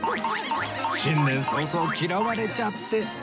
新年早々嫌われちゃって